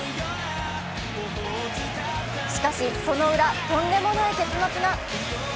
しかし、そのウラ、とんでもない結末が。